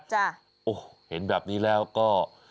จ้ะโอ้โฮเห็นแบบนี้แล้วก็